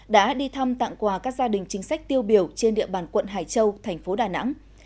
đã đi thăm tặng quà các gia đình chính sách tiêu biểu trên địa bàn quận hải châu thành phố đà nẵng